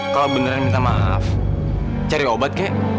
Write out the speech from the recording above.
kalau beneran minta maaf cari obat kek